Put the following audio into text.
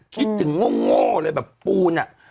คิดถึงโง่เลยแบบปูนอ่ะ